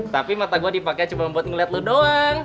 tapi mata gue dipakai cuma buat ngeliat lo doang